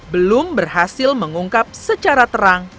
belum berhasil mengungkap secara terang